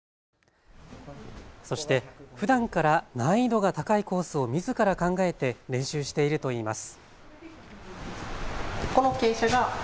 そして、ふだんから難易度が高いコースをみずから考えて練習しているといいます。